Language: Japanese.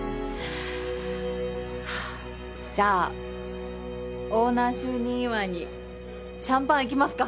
はぁじゃあオーナー就任祝いにシャンパンいきますか。